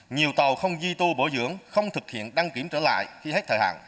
nhiều tàu không duy tu bổ dưỡng không thực hiện đăng kiểm trở lại khi hết thời hạn